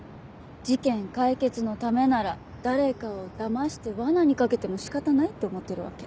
事件解決のためなら誰かをだまして罠にかけても仕方ないって思ってるわけ。